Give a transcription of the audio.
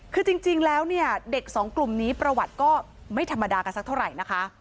คือจริงแล้วเนี่ยเด็กสองกลุ่มนี้ประวัติก็ไม่ธรรมดากันสักเท่าไหร่นะคะ